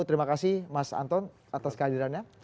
terima kasih mas anton atas kehadirannya